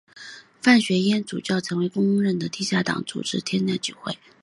范学淹主教成为公认的地下天主教会领袖。